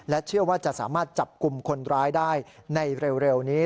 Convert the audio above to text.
เชื่อว่าจะสามารถจับกลุ่มคนร้ายได้ในเร็วนี้